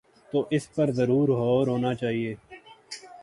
تو اس پر ضرور غور ہو نا چاہیے۔